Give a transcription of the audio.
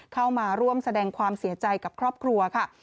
เข้ามาร่วมแสดงความเสียใจกับครอบครัวค่ะ